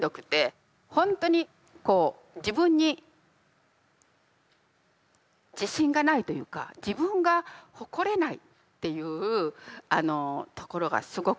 ほんとにこう自分に自信がないというか自分が誇れないっていうところがすごくあって。